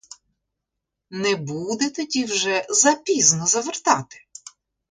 Не буде тоді вже за пізно завертати?